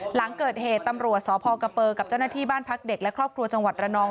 หลังเกิดเหตุตำรวจสพกเปอร์กับเจ้าหน้าที่บ้านพักเด็กและครอบครัวจังหวัดระนอง